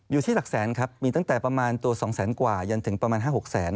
อยู่ที่หลักแสนครับมีตั้งแต่ประมาณตัว๒แสนกว่ายันถึงประมาณ๕๖แสน